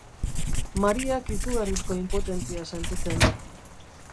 Mariak izugarrizko inpotentzia sentitzen du.